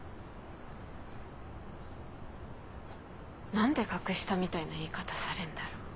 何で格下みたいな言い方されんだろ。